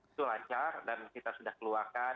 itu lancar dan kita sudah keluarkan